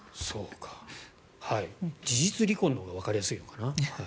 事実離婚のほうがわかりやすいかな。